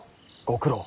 ご苦労。